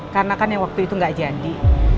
karena kan yang waktu itu gak jadi